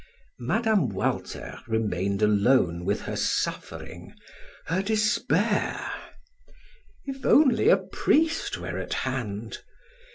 Mme. Walter remained alone with her suffering, her despair. If only a priest were at hand!